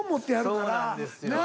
そうなんですよ。